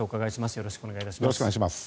よろしくお願いします。